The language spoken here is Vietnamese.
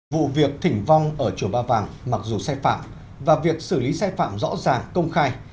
vụ việc thỉnh vong ở chùa ba vàng mặc dù sai phạm và việc xử lý sai phạm rõ ràng công khai